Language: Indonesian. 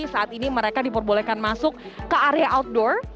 saat ini mereka diperbolehkan masuk ke area outdoor